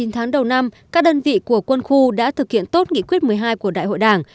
chín tháng đầu năm các đơn vị của quân khu đã thực hiện tốt nghị quyết một mươi hai của đại hội đảng